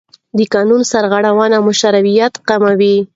د قانون سرغړونه مشروعیت کموي